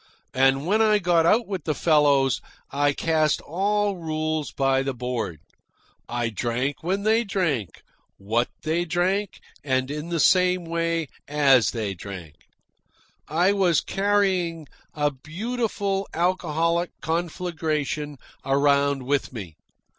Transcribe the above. And when I got out with the fellows, I cast all rules by the board. I drank when they drank, what they drank, and in the same way they drank. I was carrying a beautiful alcoholic conflagration around with me.